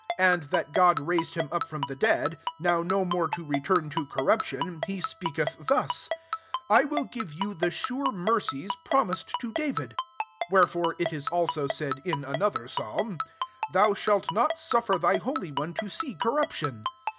34 And, that God raised him up from the dead, now no more to return to cor ruption, he speaketh thus, < I will give )rou the sure mercies promised to David.' 35 Where fore it is also said in another ^#a/m,*Thou shalt not suffer thy holy one to see corruption.'